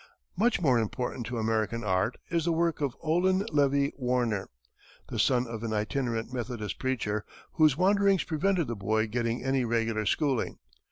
Much more important to American art is the work of Olin Levi Warner, the son of an itinerant Methodist preacher, whose wanderings prevented the boy getting any regular schooling.